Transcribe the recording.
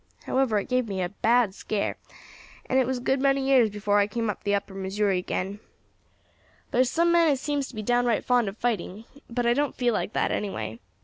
However, it gave me a bad scare, and it was a good many years before I came up the Upper Missouri again. There's some men as seems to me to be downright fond of fighting; but I don't feel like that, anyway.